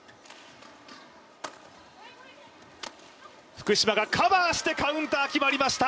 福島、カバーしてカウンター決まりました。